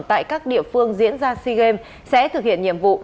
tại các địa phương diễn ra sea games sẽ thực hiện nhiệm vụ